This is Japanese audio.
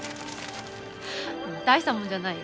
大したものじゃないよ。